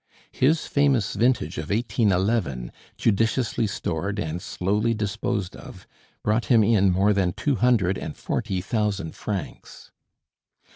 His famous vintage of 1811, judiciously stored and slowly disposed of, brought him in more than two hundred and forty thousand francs.